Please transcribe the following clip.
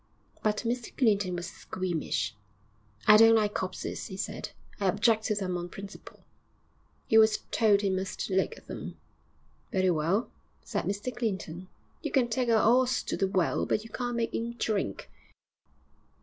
But Mr Clinton was squeamish. 'I don't like corpses,' he said. 'I object to them on principle.' He was told he must look at them. 'Very well,' said Mr Clinton. 'You can take a 'orse to the well but you can't make 'im drink.'